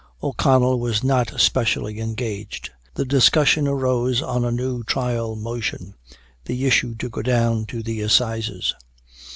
O'Connell was not specially engaged. The discussion arose on a new trial motion the issue to go down to the Assizes.